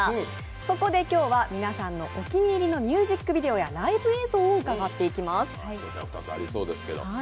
そこで今日は皆さんのお気に入りのミュージックビデオやライブ映像を伺っていきます。